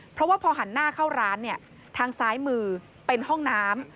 เพราะว่าพอหันหน้าเข้าร้านเนี่ยทางซ้ายมือเป็นห้องน้ำ